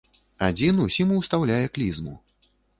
Адзін усім устаўляе клізму.